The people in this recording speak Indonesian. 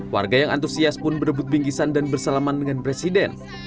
warga yang antusias pun berebut bingkisan dan bersalaman dengan presiden